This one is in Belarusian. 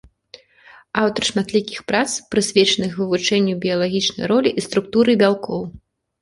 Аўтар шматлікіх прац, прысвечаных вывучэнню біялагічнай ролі і структуры бялкоў.